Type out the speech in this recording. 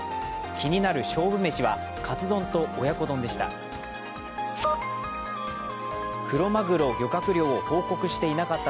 気になる勝負めしは、カツ丼と親子丼でした。